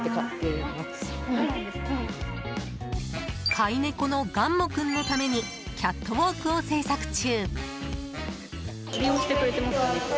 飼い猫のがんも君のためにキャットウォークを製作中。